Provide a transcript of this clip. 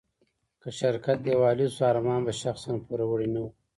که شرکت ډيوالي شو، ارمان به شخصاً پوروړی نه و.